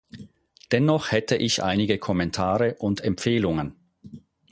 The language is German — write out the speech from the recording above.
Dennoch hätte ich einige Kommentare und Empfehlungen.